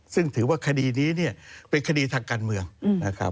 ซึ่งถือว่าคดีนี้เนี่ยเป็นคดีทางการเมืองนะครับ